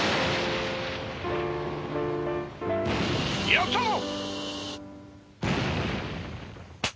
やったぞ！